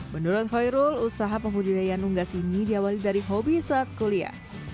menurut khairul usaha pembudidayaan unggas ini diawali dari hobi saat kuliah